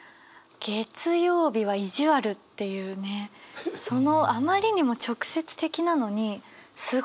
「月曜日は意地わる」っていうねそのあまりにも直接的なのにすごく分かる。